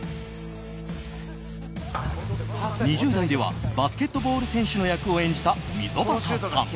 ２０代ではバスケットボール選手の役を演じた溝端さん。